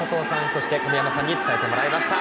そして小宮山さんに伝えてもらいました。